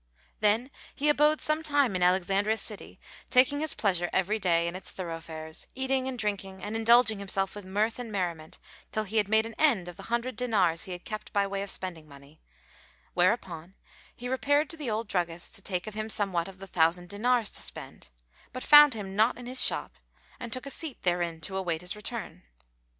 Then he abode some time in Alexandria city taking his pleasure every day in its thoroughfares, eating and drinking ad indulging himself with mirth and merriment till he had made an end of the hundred dinars he had kept by way of spending money; whereupon he repaired to the old druggist, to take of him somewhat of the thousand dinars to spend, but found him not in his shop and took a seat therein to await his return.